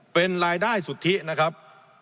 เป็นรายได้สุทธินะครับ